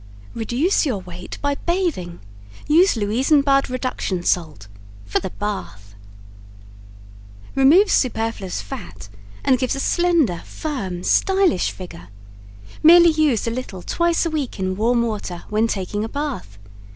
Reduce Your Weight By Bathing Use Louisenbad Reduction Salt (for The Bath) Removes superfluous fat and gives a slender firm, stylish figure. Merely use a little twice a week in warm water when taking a bath.